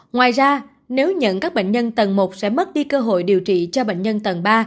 ngoài ra nếu nhận các bệnh nhân tầng một sẽ mất đi cơ hội điều trị cho bệnh nhân tầng ba